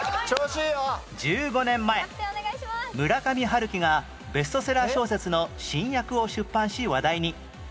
１５年前村上春樹がベストセラー小説の新訳を出版し話題に